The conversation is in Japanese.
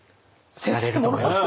なれると思います。